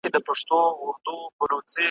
چي د دولت د قوانينو په ترتيب کي